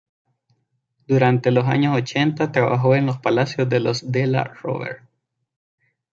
Durante los años ochenta trabajó en los palacios de los Della Rovere.